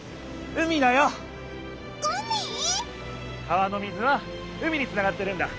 川の水は海につながってるんだ。